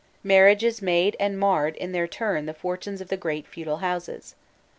Marriages made and marred in their turn the fortunes of the great feudal houses.